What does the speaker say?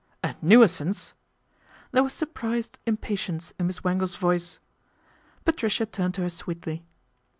A nuisance !" There was surprised im patience in Miss Wangle's voice. Patricia turned to her sweetly.